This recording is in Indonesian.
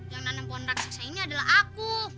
yang menanam pohon raksasa ini adalah aku